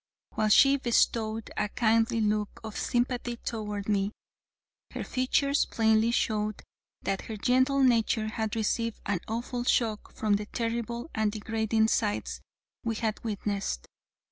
While she bestowed a kindly look of sympathy toward me, her features plainly showed that her gentle nature had received an awful shock from the terrible and degrading sights we had witnessed.